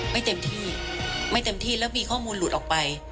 เต็มที่ไม่เต็มที่แล้วมีข้อมูลหลุดออกไป